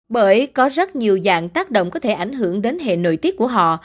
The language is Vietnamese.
bởi có rất nhiều dạng tác động có thể ảnh hưởng đến hệ nội tiết của họ